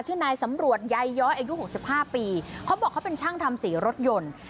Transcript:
นายสำรวจใยย้อยอายุหกสิบห้าปีเขาบอกเขาเป็นช่างทำสีรถยนต์